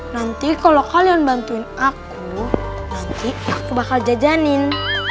nanti kalau kalian bantuin aku nanti aku bakal jajanin